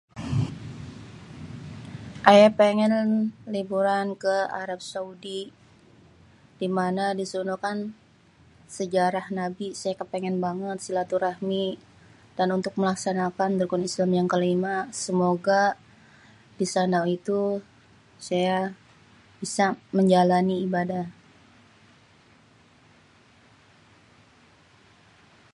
Ayê péngén liburan ke Arab Saudi, di mana di sono kan sejarah nabi. Saya kèpèngèn bangét silatuhrahmi dan untuk melaksanakan rukun islam yang kêlima, semoga di sana itu saya bisa menjalani ibadah.